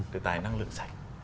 đề tài năng lượng sạch